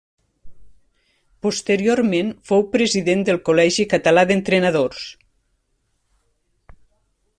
Posteriorment fou president del Col·legi Català d'Entrenadors.